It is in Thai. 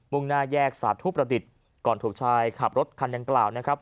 ่งหน้าแยกสาธุประดิษฐ์ก่อนถูกชายขับรถคันดังกล่าวนะครับ